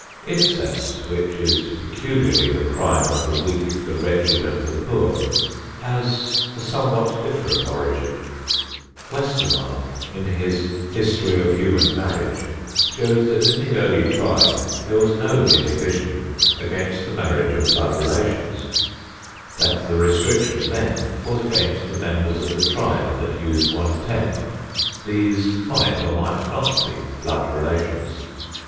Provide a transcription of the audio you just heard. Incest, which is peculiarly the crime of the weak, the wretched and the poor, has a somewhat different origin. Westermarck in his "History of Human Marriage" shows that in the early tribe there was no inhibition against the marriage of blood relations; that the restriction then was against the members of the tribe that used one tent; these might or might not be blood relations.